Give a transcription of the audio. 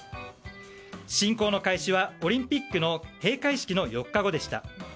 侵攻の開始はオリンピックの閉会式の４日後でした。